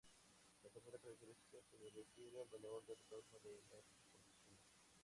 La tercera característica se refiere al valor de retorno de las exportaciones.